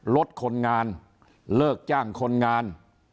ลดคนงานเลิกจ้างคนงาน